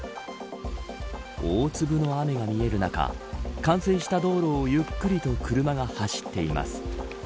大粒の雨が見える中冠水した道路をゆっくりと車が走っています。